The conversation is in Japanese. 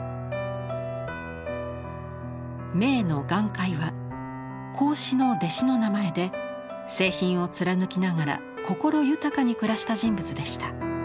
銘の「顔回」は孔子の弟子の名前で清貧を貫きながら心豊かに暮らした人物でした。